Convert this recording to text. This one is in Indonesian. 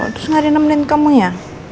terus gak ada yang nemenin kamu ya